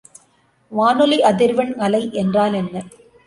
வானொலி அதிர்வெண் அலை என்றால் என்ன?